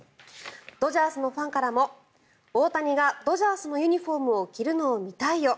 ドジャースのファンからも大谷がドジャースのユニホームを着るのを見たいよ。